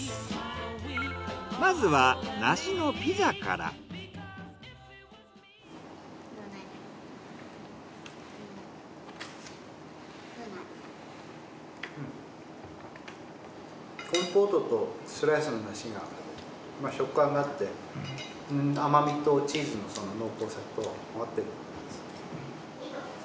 まずはコンポートとスライスの梨が食感があって甘みとチーズの濃厚さと合ってます。